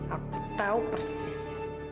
aku tahu persis